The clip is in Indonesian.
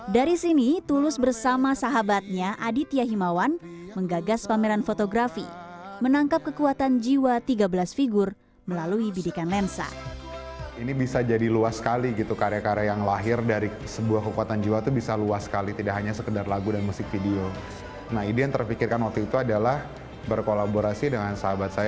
dari sini tulus bersama sahabatnya aditya himawan menggagas pameran fotografi menangkap kekuatan jiwa tiga belas figur melalui bidikan lensa